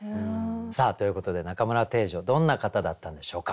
さあということで中村汀女どんな方だったんでしょうか。